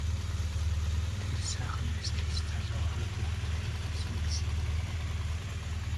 Тэр сайхан дэслэгч залуу хоёр хүүхэдтэй байсан гэсэн.